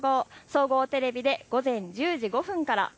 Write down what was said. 総合テレビで午前１０時５分から。